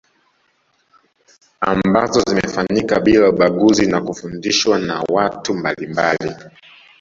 Ambazo zimefanyika bila ubaguzi na kufundishwa na watu mbalimbali